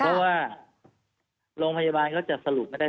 เพราะว่าโรงพยาบาลก็จะสรุปไม่ได้